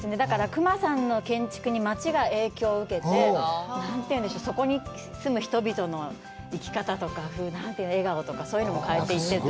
隈さんの建築に町が影響を受けて、何というんでしょう、そこに住む人々の生き方とか、笑顔とかそういうのも変えていって。